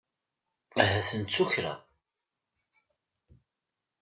Ahat nettu kra?